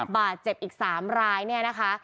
บาดเจ็บอีก๓รายเนี่ยนะคะ